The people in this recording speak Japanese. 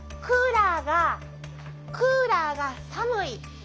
クーラーがクーラーが寒い。